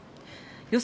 予想